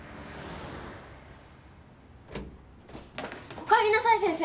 おかえりなさい先生。